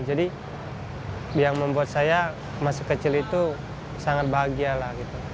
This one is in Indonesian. jadi yang membuat saya masa kecil itu sangat bahagia